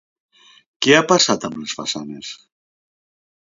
Què ha passat amb les façanes?